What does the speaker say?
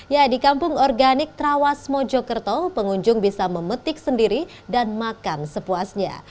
ya di kampung organik trawas mojokerto pengunjung bisa memetik sendiri dan makan sepuasnya